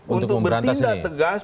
untuk bertindak tegas